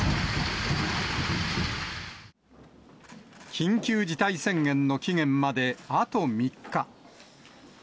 緊急事態宣言の期限まであと３日。